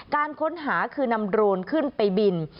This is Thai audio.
การค้นหาคือนำโดรนขึ้นไปบิน